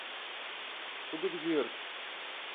Bunu biliyorum.